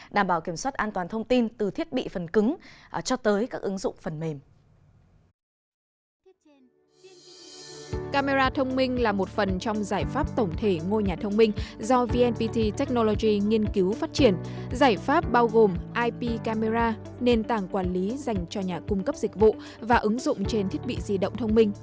đảm bảo kiểm soát an toàn thông tin từ thiết bị phần cứng cho tới các ứng dụng phần mềm